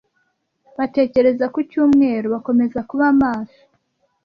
batekereza ku cyumweru bakomeza kuba maso